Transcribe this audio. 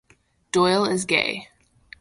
Doyle is gay.